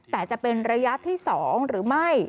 แต่จะเป็นระยะที่๒หรือไม่